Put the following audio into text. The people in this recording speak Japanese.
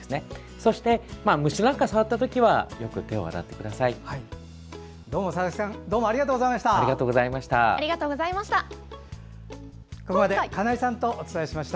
そして、虫なんか触ったときは佐々木さんどうもありがとうございました。